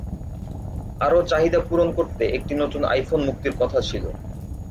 আরো চাহিদা পূরণ করতে একটি নতুন আইফোন মুক্তির কথা ছিল।